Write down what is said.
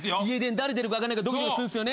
誰出るか分かんないからドキドキするんすよね。